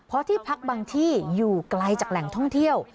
เพราะที่พักบางที่อยู่ไกลจากแหล่งท่องเที่ยว